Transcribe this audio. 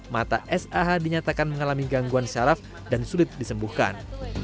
mata sah dinyatakan mengalami gangguan syaraf dan sulit disembuhkan